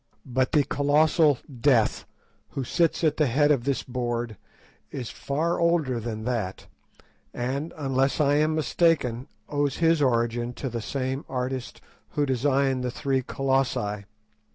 But the colossal Death, who sits at the head of the board, is far older than that, and, unless I am much mistaken, owes his origin to the same artist who designed the three Colossi.